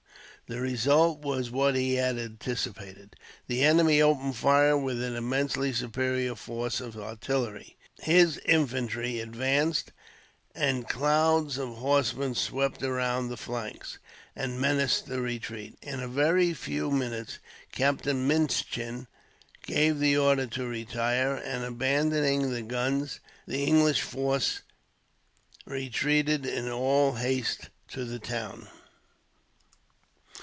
The result was what he had anticipated. The enemy opened fire with an immensely superior force of artillery. His infantry advanced, and clouds of horsemen swept round the flanks, and menaced the retreat. In a very few minutes, Captain Minchin gave the order to retire; and, abandoning their guns, the English force retreated in all haste to the town.